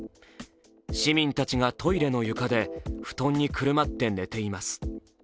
市民たちがトイレの床で布団にくるまって寝ています。